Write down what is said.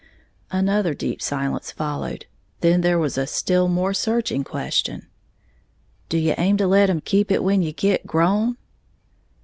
Another deep silence followed; then there was a still more searching question: "Do you aim to let 'em keep it when you git grown?"